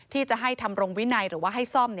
ที่จะให้ทำรงวินัยหรือว่าให้ซ่อม